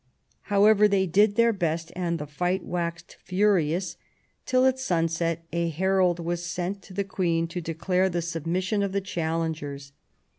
However, they did their best, and the fight waxed furious, till at sunset a herald was sent to the Queen to declare the sub mission of the challengers.